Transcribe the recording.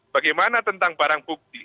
bagaimana tentang barang bukti